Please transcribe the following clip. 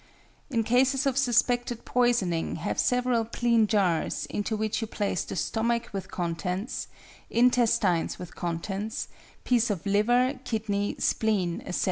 In cases of suspected poisoning have several clean jars into which you place the stomach with contents, intestines with contents, piece of liver, kidney, spleen, etc.